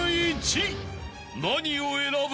［何を選ぶ？］